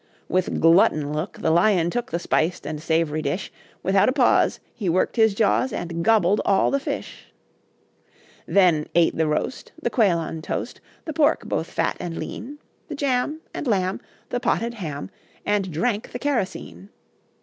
With glutton look The Lion took The spiced and sav'ry dish. Without a pause He worked his jaws, And gobbled all the fish. Then ate the roast, The quail on toast, The pork, both fat and lean; The jam and lamb, The potted ham, And drank the kerosene.